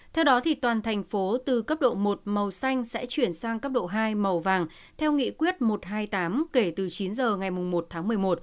theo đó toàn thành phố từ cấp độ một màu xanh sẽ chuyển sang cấp độ hai màu vàng theo nghị quyết một trăm hai mươi tám kể từ chín giờ ngày một tháng một mươi một